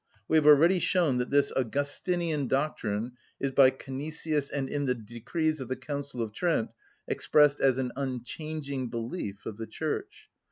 We have already shown that this Augustinian doctrine is by Canisius and in the decrees of the Council of Trent expressed as an unchanging belief of the Church.